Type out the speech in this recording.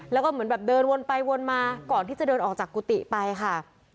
แล้วก็เหมือนแบบเดินวนไปวนมาก่อนที่จะเดินออกจากกุฏิไปค่ะ